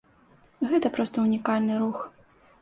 Гэта проста ўнікальны рух.